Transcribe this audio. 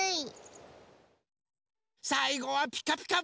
さいごは「ピカピカブ！」です。